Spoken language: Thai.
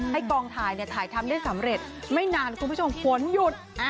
กองถ่ายถ่ายทำได้สำเร็จไม่นานคุณผู้ชมฝนหยุด